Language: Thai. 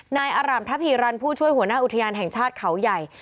นายอารามทภีรันผู้ช่วยหัวหน้าอุทยานแห่งชาติเขาใหญ่